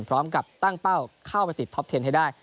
พร้อมกับตั้งเป้าเข้าไปติดท็อปเทนให้ได้